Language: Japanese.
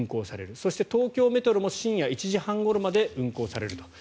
そして、東京メトロも深夜１時半ごろまで運行される。